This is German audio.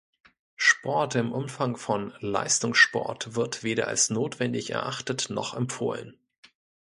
Sport im Umfang von Leistungssport wird weder als notwendig erachtet noch empfohlen.